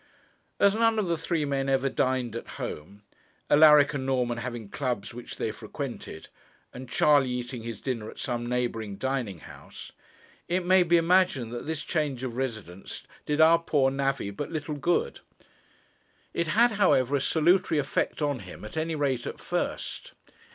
As none of the three men ever dined at home, Alaric and Norman having clubs which they frequented, and Charley eating his dinner at some neighbouring dining house, it may be imagined that this change of residence did our poor navvy but little good. It had, however, a salutary effect on him, at any rate at first.